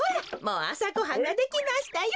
もうあさごはんができましたよ。